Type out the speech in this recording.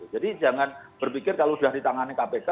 jadi jangan berpikir kalau sudah di tangan kpk